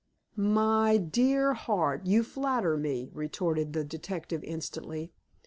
"My dear Hart, you flatter me," retorted the detective instantly.